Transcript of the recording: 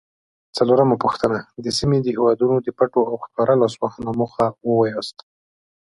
څلورمه پوښتنه: د سیمې د هیوادونو د پټو او ښکاره لاسوهنو موخې ووایاست؟